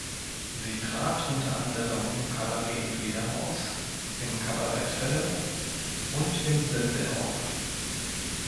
Sie trat unter anderem im Cabaret Fledermaus, im Kabarett Hölle und im Simpl auf.